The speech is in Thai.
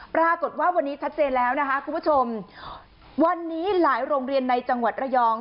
ปรากฏว่าวันนี้ชัดเจนแล้วนะคะคุณผู้ชมวันนี้หลายโรงเรียนในจังหวัดระยอง